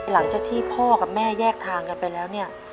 หลังจากที่พ่อกับแม่แยกทางกันไปแล้วเนี่ย